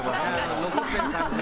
あの残ってる感じ。